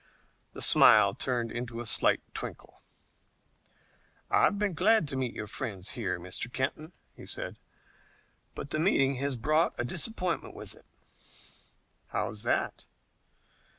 The smile turned into a slight twinkle. "I've been glad to meet your friends here, Mr. Kenton," he said, "but the meeting has brought a disappointment with it." "How's that?"